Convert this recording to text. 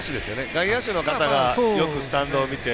外野手の方はよくスタンド見て。